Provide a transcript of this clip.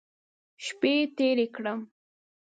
شپې تېرې کړم.